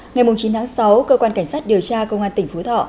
ngày chín tháng sáu cơ quan cảnh sát điều tra công an tỉnh phú thọ